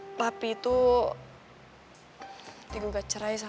makanya papi butuh keluar cari udara segar